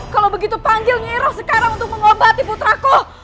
kalau begitu panggil ngira sekarang untuk mengobati putraku